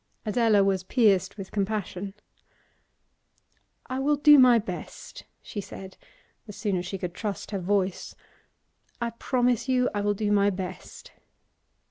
Adela was pierced with compassion. 'I will do my best,' she said, as soon as she could trust her voice. 'I promise you I will do my best.